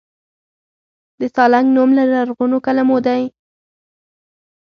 د سالنګ نوم له لرغونو کلمو دی